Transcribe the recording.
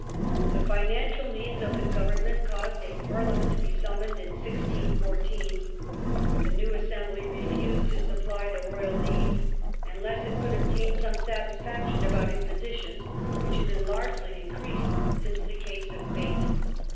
The financial needs of the government caused a Parlia ment to be summoned in 16 14. But the new assembly refused to supply the Royal needs unless it could dbtain THE FALL OF CHIEF JUSTICE COKE. 1 3 some satisfaction about "impositions", which had been largely increased since the case of Bate.